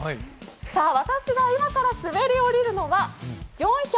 私が今から滑り降りるのは４１０ｍ。